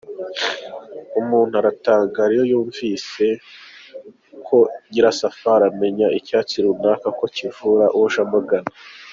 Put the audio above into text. Umuntu aratangara iyo yunvise uko Nyirasafari amenya icyatsi runaka ko kivura uje amugana.